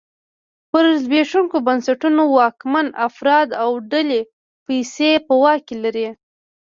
پر زبېښونکو بنسټونو واکمن افراد او ډلې پیسې په واک کې لري.